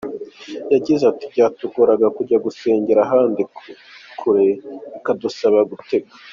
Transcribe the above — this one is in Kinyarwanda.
Yagize ati “Byatugoraga kujya gusengera ahandi kure bikadusaba gutega.